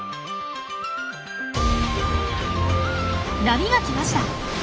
波が来ました。